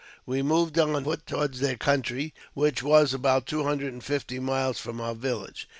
We j moved on foot toward their country, which was about two hundred and fifty miles from our village.